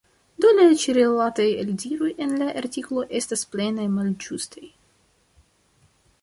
Do la ĉi-rilataj eldiroj en la artikolo estas plene malĝustaj.